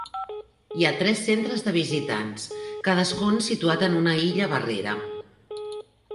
Hi ha tres centres de visitants, cadascun situat en una illa barrera.